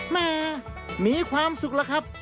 แม่มีความสุขแล้วครับ